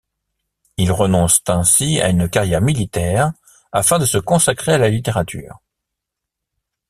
Il renonce ainsi à une carrière militaire afin de se consacrer à la littérature.